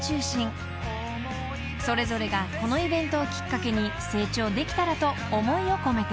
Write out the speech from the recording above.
［それぞれがこのイベントをきっかけに成長できたらと思いを込めて］